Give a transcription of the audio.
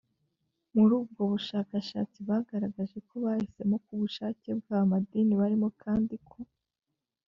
muri ubwo bushakashatsi bagaragaje ko bahisemo ku bushake bwabo amadini barimo kandi ko